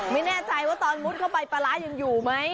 ไม่แน่ใจว่าตอนมุดเข้าไปปลาร้ายังอยู่ไหม